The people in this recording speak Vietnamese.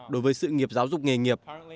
đối với sự nghiệp giáo dục nghề nghiệp